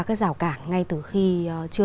các rào cản ngay từ khi chưa